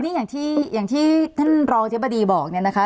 ที่นี่อย่างที่ท่านรองเชฟภาษีบอกนะคะ